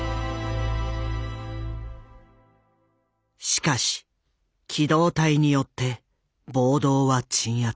しかし機動隊によって暴動は鎮圧。